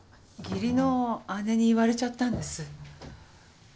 義理の姉に言われちゃったんです。